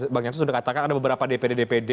bang jansen sudah katakan ada beberapa dpd dpd